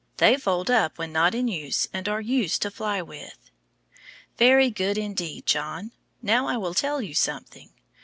They fold up when not in use and are used to fly with. Very good indeed, John. Now I will tell you something.